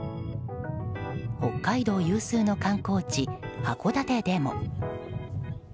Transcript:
北海道有数の観光地函館でも。